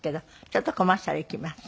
ちょっとコマーシャルいきます。